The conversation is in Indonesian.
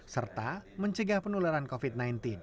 serta mencegah penularan covid sembilan belas